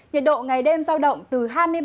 nhiệt độ ngày đêm giao động từ hai